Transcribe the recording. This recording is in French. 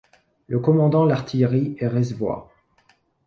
Le commandant l'artillerie est Rezvoi.